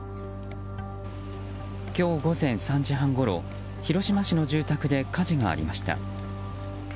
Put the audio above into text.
今日午前３時半ごろ広島市の住宅で火事がありました。